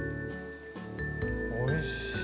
おいしい。